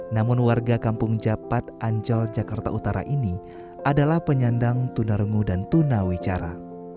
namun warga kampung japat ancol jakarta utara ini adalah penyandang tunarungu dan tunawicara